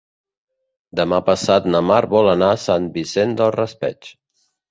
Demà passat na Mar vol anar a Sant Vicent del Raspeig.